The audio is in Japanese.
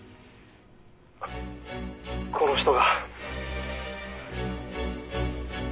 この人が。